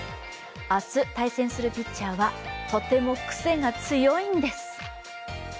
明日対戦するピッチャーは、とてもクセが強いんです。